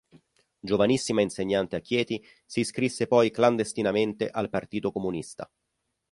Giovanissima insegnante a Chieti, si iscrisse poi clandestinamente al Partito comunista.